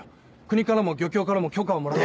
国からも漁協からも許可をもらって。